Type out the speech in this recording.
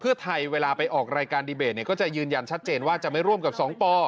เพื่อไทยเวลาไปออกรายการดีเบตก็จะยืนยันชัดเจนว่าจะไม่ร่วมกับ๒ป